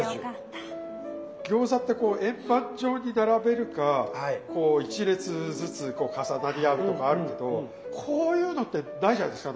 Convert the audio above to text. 餃子ってこう円盤状に並べるかこう１列ずつ重なり合うとかあるけどこういうのってないんじゃないですか？